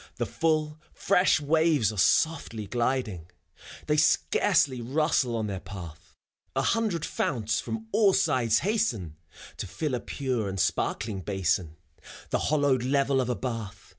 The full, fresh waves are softly ^ding; They scarcely rustle on their path : A hundred founts from all sides hasten, To fill a pure and sparkling basin, The hollowed level of a bath.